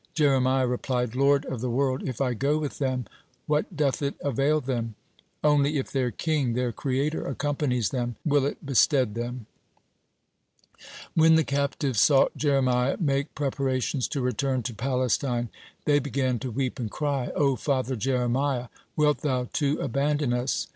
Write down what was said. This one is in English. Jeremiah replied: "Lord of the world, if I go with them, what doth it avail them? Only if their King, their Creator accompanies them, will it bestead them." (42) When the captives saw Jeremiah make preparations to return to Palestine, they began to weep and cry: "O Father Jeremiah, wilt thou, too, abandon us?"